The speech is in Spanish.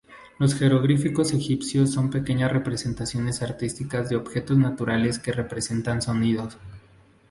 Los jeroglíficos egipcios son pequeñas representaciones artísticas de objetos naturales que representan sonidos.